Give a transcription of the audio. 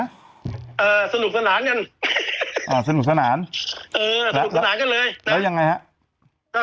สนุกสนานกันอ่าสนุกสนานเออสนุกสนานกันเลยแล้วยังไงฮะก็